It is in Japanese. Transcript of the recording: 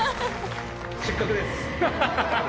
失格です。